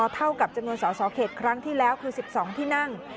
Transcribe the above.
เท่ากับจำนวนสอสอเขตครั้งที่แล้วคือ๑๒ที่นั่ง